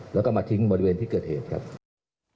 แล้วก็มาทิ้งบริเวณที่เกิดเหตุเพิ่มทุกที่นี้ค่ะ